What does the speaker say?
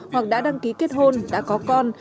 hoặc đã đăng ký kết hôn đã có con